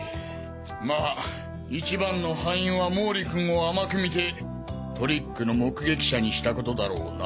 まあ一番の敗因は毛利君を甘く見てトリックの目撃者にしたことだろうな。